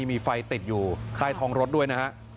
มีไฟติดอยู่ใต้ท้องรถด้วยนะฮะ